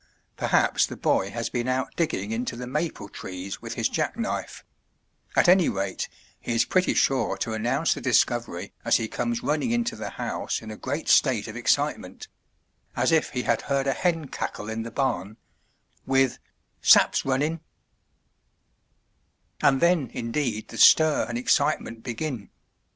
Perhaps the boy has been out digging into the maple trees with his jack knife; at any rate, he is pretty sure to announce the discovery as he comes running into the house in a great state of excitement — as if he had heard a hen cackle in the bam — with, *'Sap*s running *' And then, indeed, the stir and excitement begin.